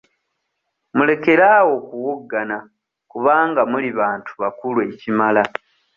Mulekere awo okuwoggana kubanga muli bantu bakulu ekimala.